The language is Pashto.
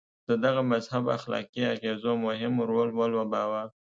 د دغه مذهب اخلاقي اغېزو مهم رول ولوباوه.